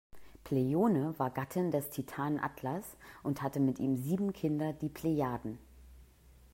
Pleione war Gattin des Titanen Atlas und hatte mit ihm sieben Kinder, die Plejaden.